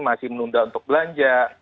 masih menunda untuk belanja